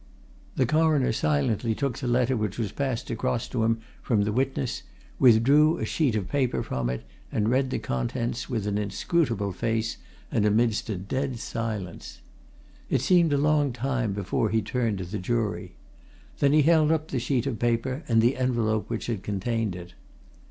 The Coroner silently took the letter which was passed across to him from the witness, withdrew a sheet of paper from it, and read the contents with an inscrutable face and amidst a dead silence. It seemed a long time before he turned to the jury. Then, he held up the sheet of paper and the envelope which had contained it.